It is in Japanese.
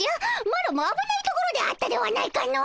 マロもあぶないところであったではないかの。